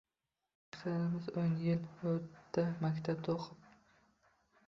Aksarimiz o'n yil o‘rta maktabda o‘qib